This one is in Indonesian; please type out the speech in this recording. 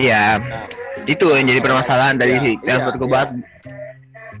iya itu yang jadi permasalahan dari hikmah batu kuban